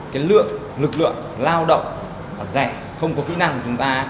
cái lượng lực lượng lao động rẻ không có kỹ năng của chúng ta